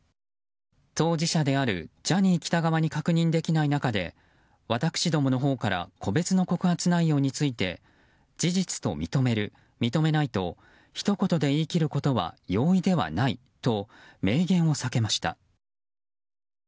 当事者であるジャニー喜多川に確認できない中で私どものほうから個別の告発内容について事実と認める、認めないとひと言で言いきることは容易ではないと明言を避けました。